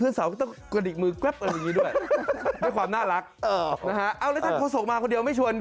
เพื่อนสาวต้องกระดิกมือจานกันอย่างนี้ด้วย